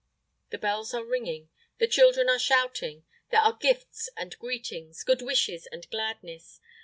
The bells are ringing; the children are shouting; there are gifts and greetings, good wishes and gladness.